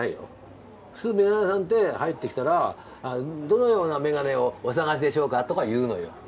普通メガネ屋さんって入ってきたら「どのようなメガネをお探しでしょうか？」とか言うのよ。